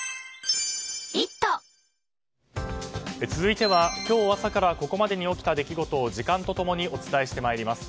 続いては今日朝からここまでに起きた出来事を時間と共にお伝えしてまいります。